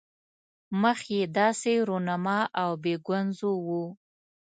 مخ یې داسې رونما او بې ګونځو وو.